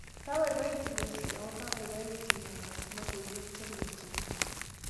Kabaibaitu missing ako kabaibaitu akas logoiwek che miach cheuchu